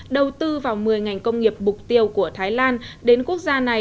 đầu tư vào một mươi ngành công nghiệp mục tiêu của thái lan đến quốc gia này